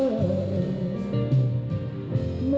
นายยกรัฐมนตรีพบกับทัพนักกีฬาที่กลับมาจากโอลิมปิก๒๐๑๖